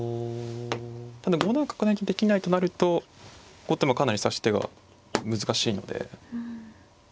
ただ５七角成とできないとなると後手もかなり指し手が難しいので。